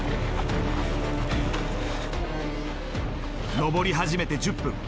上り始めて１０分。